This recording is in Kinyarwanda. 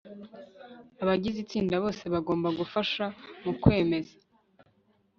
abagize itsinda bose bagomba gufasha mu kwemeza